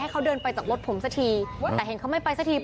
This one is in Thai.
เขาเดินไปจากรถผมสักทีแต่เห็นเขาไม่ไปสักที